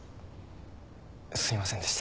すいませんでした。